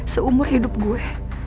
seumur hidup gue